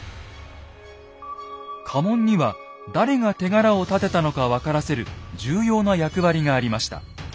家紋には誰が手柄を立てたのか分からせる重要な役割がありました。